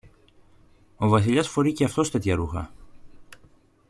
Ο Βασιλιάς φορεί και αυτός τέτοια ρούχα.